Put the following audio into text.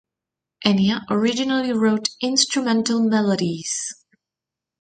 Enya originally wrote instrumental melodies.